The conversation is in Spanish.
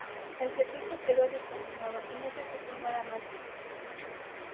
El servicio quedo discontinuado y no se supo nada mas de el.